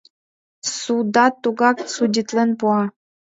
Судат тугак судитлен пуа.